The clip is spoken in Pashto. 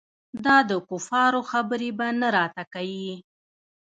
دا دکفارو خبرې به نه راته کيې.